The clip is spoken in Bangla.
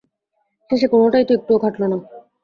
শেষে কোনোটাই তো একটুও খাটল না।